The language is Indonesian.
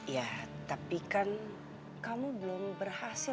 ya tapi kan kamu belum berhasil